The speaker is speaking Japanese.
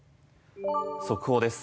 速報です。